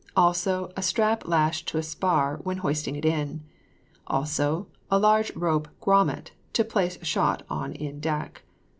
Also, a strap lashed to a spar when hoisting it in. Also, a large rope grommet, to place shot in on deck.